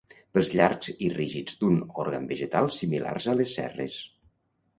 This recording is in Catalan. Pèls llargs i rígids d'un òrgan vegetal similars a les cerres.